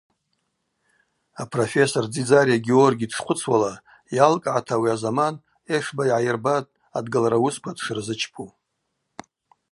Апрофессор Дзидзариа Георгий дшхъвыцуала, йалкӏгӏата ауи азаман Эшба йгӏайырбатӏ адгалра уысква дшырзычпу.